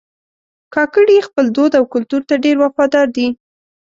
کاکړي خپل دود او کلتور ته ډېر وفادار دي.